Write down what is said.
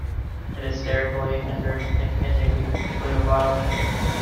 It is sterically hindered, making it a weak nucleophile.